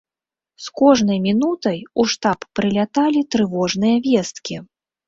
З кожнай мінутай у штаб прыляталі трывожныя весткі.